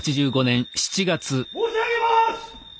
申し上げます！